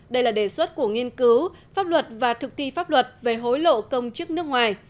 đây là đề xuất của nghiên cứu pháp luật và thực thi pháp luật về hối lộ công chức nước ngoài